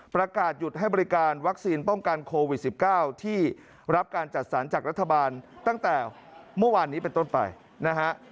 ประกาศหยุดให้บริการวัคซีนป้องกันโควิด๑๙ที่รับการจัดสรรจากรัฐบาลตั้งแต่เมื่อวานนี้เป็นต้นไปนะฮะ